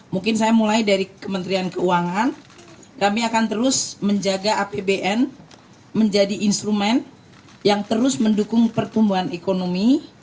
mungkin saya mulai dari kementerian keuangan kami akan terus menjaga apbn menjadi instrumen yang terus mendukung pertumbuhan ekonomi